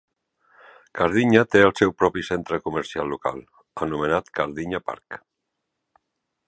Kardinya té el seu propi centre comercial local, anomenat Kardinya Park.